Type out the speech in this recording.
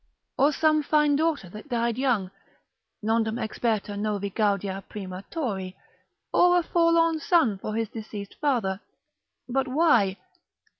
Or some fine daughter that died young, Nondum experta novi gaudia prima tori. Or a forlorn son for his deceased father. But why?